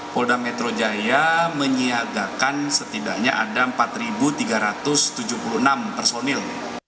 polda metro jaya menyiagakan setidaknya ada empat tiga ratus tujuh puluh enam personil